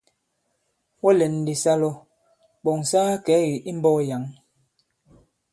Wɔ lɛ̌n ndī sa lɔ ɓɔ̀ŋ sa kakɛ̌ kì i mbɔ̄k yǎŋ.